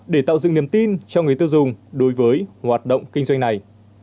để tạo dựng niềm tin cho người tiêu dùng đối với hoạt động kinh doanh này